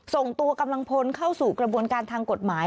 ส่งตัวกำลังพลเข้าสู่กระบวนการทางกฎหมาย